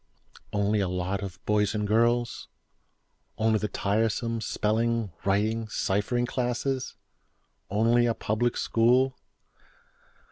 Only a lot of boys and girls? Only the tiresome spelling, writing, ciphering classes? Only a Public School?